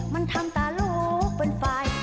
มันทำตาลูกเป็นฝ่าย